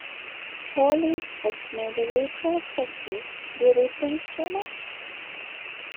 Holley's first major retrospective, Do We Think Too Much?